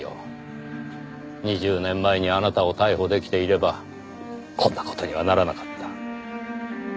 ２０年前にあなたを逮捕出来ていればこんな事にはならなかった。